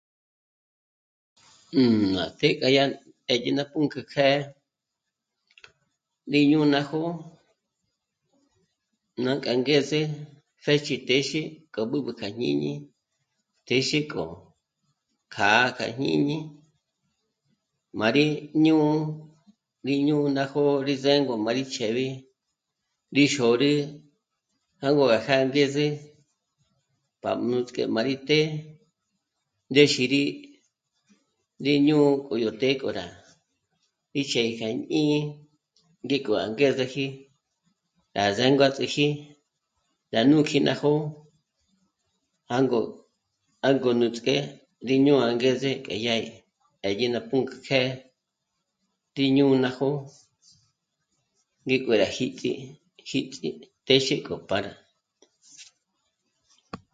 Ná të́'ë kja yá 'édye ná pǔnk'ü kjë́'ë rí ñú'u ná jó'o, ná kja angeze pjéchi téxe kja b'ǚb'ü kja jñíñi, téxe kjo kjâ'a kja jñíñi má rí ñǔ'u ná jó'o rí s'êngo má rí ch'éb'i ndí xôrü jângo gá angeze pá' nuts'k'e má rí tè'e ndéxi rí ndéñǔ'u k'o yó të́'ë k'o rá 'ích'é kja jñíñi ngéko angézeji rá zénguats'iji yá ñùk'i ná jó'o jângo... jângo nuts'k'é ndíño ángeze k'e yá 'i'i à dyé ná pǔnk'ü kjë́'ë tí ñú'u ná jó'o rí k'o rá jíts'i rá jíts'i téxe k'o pá rá